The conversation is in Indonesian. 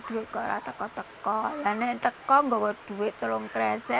di sekolah tapi di sekolah tidak ada duit untuk kerja